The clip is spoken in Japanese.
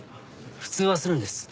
普通はするんです。